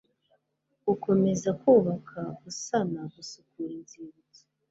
gukomeza kubaka, gusana, gusukura inzibutso